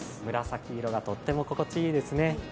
紫色がとっても心地いいですね。